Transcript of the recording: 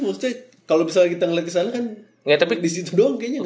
maksudnya kalau misalnya kita ngeliat kesana kan disitu doang kayaknya